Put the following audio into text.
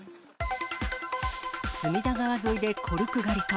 隅田川沿いでコルク狩りか。